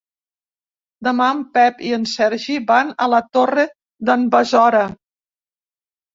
Demà en Pep i en Sergi van a la Torre d'en Besora.